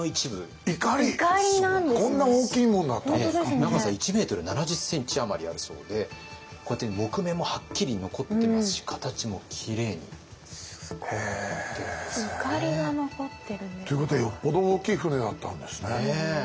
長さ１ｍ７０ｃｍ余りあるそうでこうやって木目もはっきり残ってますし形もきれいに残ってるんですよね。ということはよっぽど大きい船だったんですね。